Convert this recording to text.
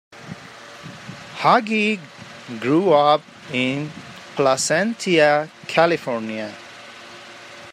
Haughey grew up in Placentia, California.